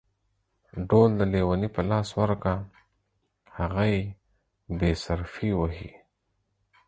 ډول د ليوني په لاس ورکه ، هغه يې بې صرفي وهي.